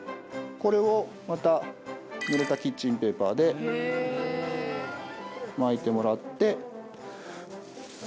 これをまたぬれたキッチンペーパーで巻いてもらって。